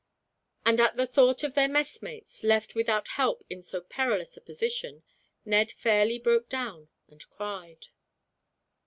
And at the thought of their messmates, left without help in so perilous a position, Ned fairly broke down and cried.